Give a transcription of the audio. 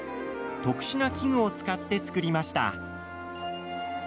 特殊な器具を使って作りました。